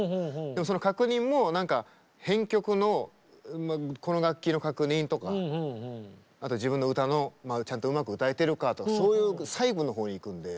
でもその確認も編曲のこの楽器の確認とか自分の歌のちゃんとうまく歌えてるかとかそういう細部の方にいくんで。